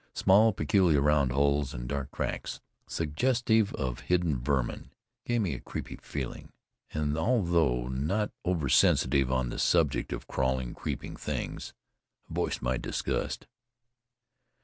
Small, peculiar round holes, and dark cracks, suggestive of hidden vermin, gave me a creepy feeling; and although not over sensitive on the subject of crawling, creeping things, I voiced my disgust.